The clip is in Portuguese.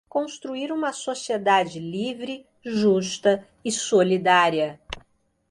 construir uma sociedade livre, justa e solidária;